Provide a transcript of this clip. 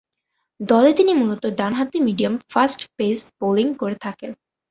দলে তিনি মূলতঃ ডানহাতি মিডিয়াম-ফাস্ট পেস বোলিং করে থাকেন।